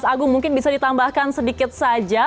saya ragu mungkin bisa ditambahkan sedikit saja